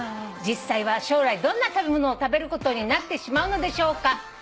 「実際は将来どんな食べ物を食べることになってしまうのでしょうか」